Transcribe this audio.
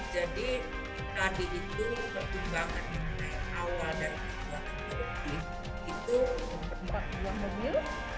jadi tadi itu pertumbangan mengenai awal dari pertumbuhan kaukulip itu empat buah mobil